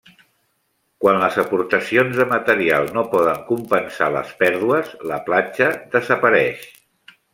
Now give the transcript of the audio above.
Quan les aportacions de material no poden compensar les pèrdues, la platja desapareix.